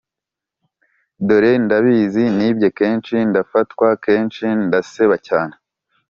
dore ndabizi nibye kenshi ndafatwa kenshi ndaseba cyane